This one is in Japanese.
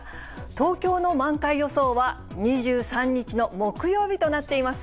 東京の満開予想は２３日の木曜日となっています。